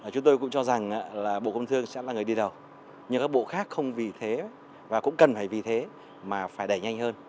chúng tôi cũng cho rằng là bộ công thương sẽ là người đi đầu nhưng các bộ khác không vì thế và cũng cần phải vì thế mà phải đẩy nhanh hơn